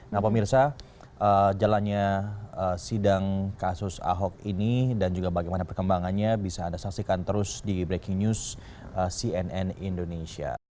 nah pemirsa jalannya sidang kasus ahok ini dan juga bagaimana perkembangannya bisa anda saksikan terus di breaking news cnn indonesia